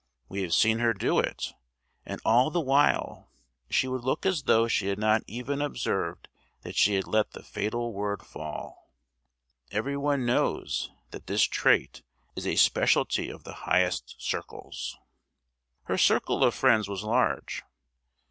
We have seen her do it; and all the while she would look as though she had not even observed that she had let the fatal word fall. Everyone knows that this trait is a speciality of the highest circles. Her circle of friends was large.